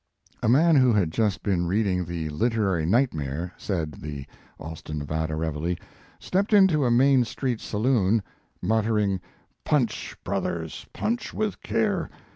A man who had just been reading the "Literary Nightmare," said The Austin (Nev.) Reveille, stepped in to a Main street saloon muttering, "Punch, brothers ! punch with care